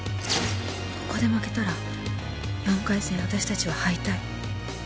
ここで負けたら４回戦わたしたちは敗退